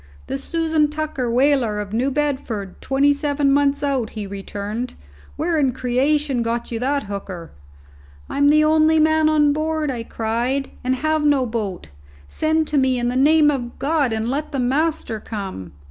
"The Susan Tucker, whaler, of New Bedford, twenty seven months out," he returned. "Where in creation got you that hooker?" "I'm the only man aboard," I cried, "and have no boat. Send to me, in the name of God, and let the master come!"